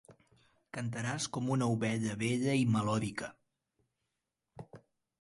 Cantaràs com una ovella vella i melòdica.